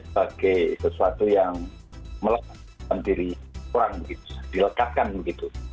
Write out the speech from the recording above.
sebagai sesuatu yang melakukan diri orang gitu dilekatkan begitu